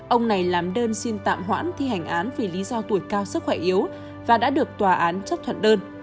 ông này làm đơn xin tạm hoãn thi hành án vì lý do tuổi cao sức khỏe yếu và đã được tòa án chấp thuận đơn